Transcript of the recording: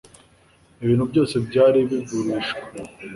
Ibintu byose byari bigurishwa